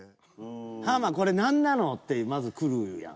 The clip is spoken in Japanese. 「ハマこれ何なの？」ってまず来るやん。